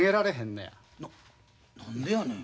な何でやねん。